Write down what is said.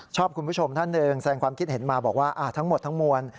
คุณผู้ชมท่านหนึ่งแสดงความคิดเห็นมาบอกว่าทั้งหมดทั้งมวล